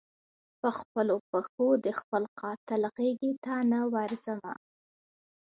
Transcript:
پر خپلو پښو د خپل قاتل غیږي ته نه ورځمه